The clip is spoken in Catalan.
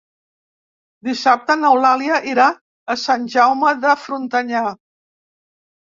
Dissabte n'Eulàlia irà a Sant Jaume de Frontanyà.